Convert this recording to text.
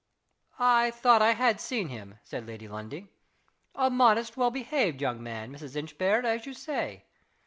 "I thought I had seen him," said Lady Lundie. "A modest, well behaved young man, Mrs. Inchbare, as you say.